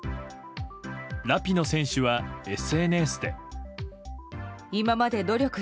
ラピノ選手はＳＮＳで。